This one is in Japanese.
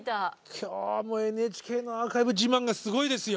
今日もＮＨＫのアーカイブ自慢がすごいですよ。